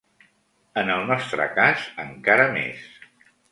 En el nostre cas, encara més.